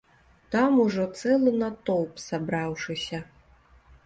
Там ужо цэлы натоўп сабраўшыся.